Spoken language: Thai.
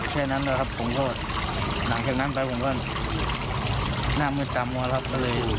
แค่นั้นแล้วครับผมโทษหลังจากนั้นไปผมก็หน้ามืดตามว่ารับก็เลย